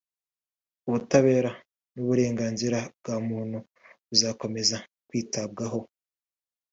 ubutabera n’uburenganzira bwa muntu buzakomeza kwitabwaho